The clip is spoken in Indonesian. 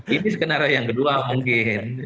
ini skenario yang kedua mungkin